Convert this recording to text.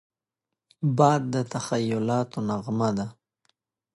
باد د تخیلاتو نغمه ده